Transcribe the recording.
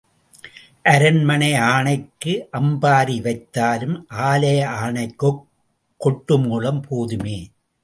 அரண்மனை ஆனைக்கு அம்பாரி வைத்தாலும் ஆலய ஆனைக்குக் கொட்டு மேளம் போதுமே.